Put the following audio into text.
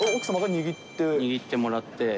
握ってもらって。